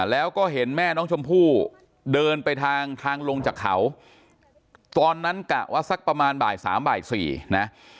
แล้วก็เห็นแม่น้องชมพู่เดินไปทางทางลงจากเขาตอนนั้นกะว่าสักประมาณบ่ายสามบ่ายสี่นะ